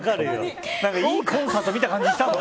いいコンサート見た感じしたもん。